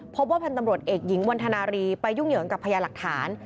พบว่าพันธ์ตำรวจเอกหญิงวันธนารีไปยุ่งเหยิงกับพญาหลักฐาน